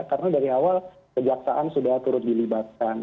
karena dari awal kejaksaan sudah turut dilibatkan